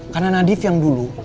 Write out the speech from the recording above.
karena nadief yang dulu